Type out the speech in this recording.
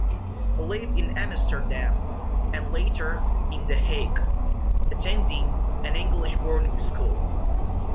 He lived in Amsterdam and later in The Hague, attending an English boarding school.